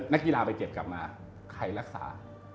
นักกีฬาไปเก็บกลับมาใครรักษา